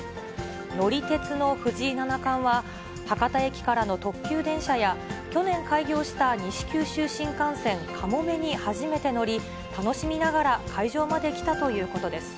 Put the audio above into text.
乗り鉄の藤井七冠は、博多駅からの特急電車や、去年開業した西九州新幹線かもめに初めて乗り、楽しみながら会場まで来たということです。